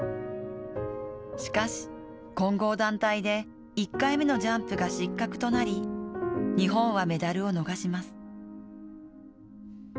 しかし、混合団体で１回目のジャンプが失格となり、日本はメダルを逃します。